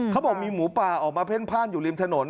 เขาบอกมีหมูป่าออกมาเพ่นพ่านอยู่ริมถนน